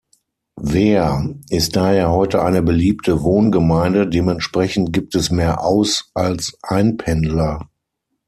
Weer ist daher heute eine beliebte Wohngemeinde, dementsprechend gibt es mehr Aus- als Einpendler.